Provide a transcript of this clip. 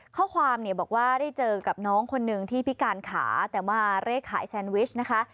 ข้อความเนี่ยบอกว่าได้เจอกับน้องคนหนึ่งที่พิการขาแต่ว่าเลขขายแซนวิชนะคะ